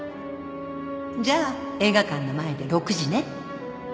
「じゃあ映画館の前で６時ね」